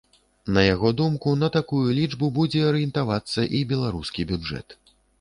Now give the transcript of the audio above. На яго думку, на такую лічбу будзе арыентавацца і беларускі бюджэт.